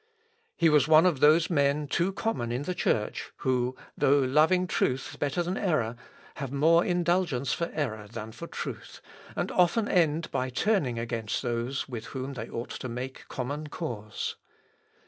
He was one of those men too common in the Church, who, though loving truth better than error, have more indulgence for error than for truth, and often end by turning against those with whom they ought to make common cause.